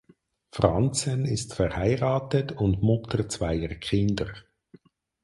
Franssen ist verheiratet und Mutter zweier Kinder.